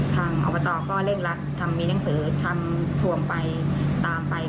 ทางอบตก็เล่นลักษณ์ทำมีหนังสือทำทวมไปตามไป